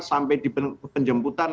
sampai di penjemputan